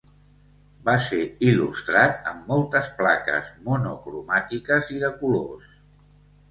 Va ser il·lustrat amb moltes plaques monocromàtiques i de colors.